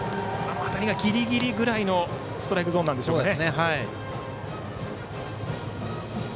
この辺り、ぎりぎりぐらいのストライクゾーンなんでしょうね。